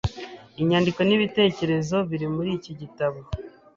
Inyandiko n’ibitekerezo biri muri iki gitabo